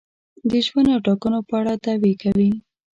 د ژوند او ټاکنو په اړه دعوې کوي.